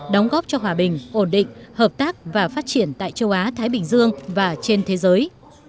đóng góp cho hòa bình ổn định hợp tác và phát triển tại châu á thái bình dương và trên thế giới